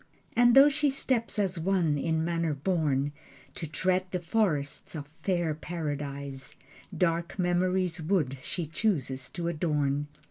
And though she steps as one in manner born To tread the forests of fair Paradise, Dark memory's wood she chooses to adorn.